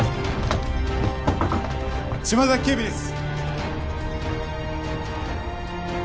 島崎警備です。